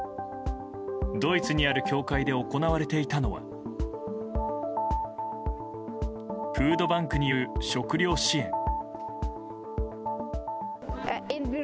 ドイツにある教会で行われていたのはフードバンクによる食料支援。